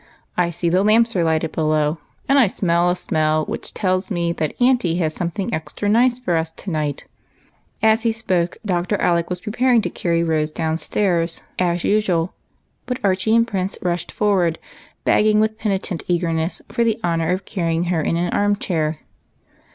I see the lamps are lighted below, and I smell a smell which tells me that aunty has something extra nice for us to night." As he spoke, Dr. Alec was preparing to carry Rose downstairs as usual ; but Archie and Prince rushed forward, begging with penitent eagerness for the honor of carrying her in an arm chair.